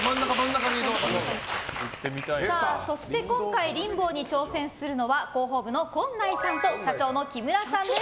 今回、リンボーに挑戦するのは広報部の近内さんと社長の木村さんです。